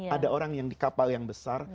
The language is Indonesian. ada orang yang di kapal yang besar